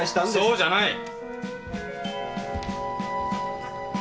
そうじゃない！